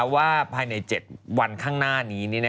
ว่าภายใน๗วันข้างหน้านี้